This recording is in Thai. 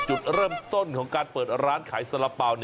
จุดเริ่มต้นของการเปิดร้านขายสละเป๋า